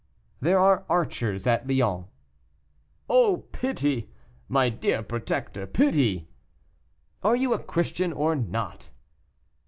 "There are archers at Lyons." "Oh, pity! my dear protector, pity!" "Are you a Christian or not?"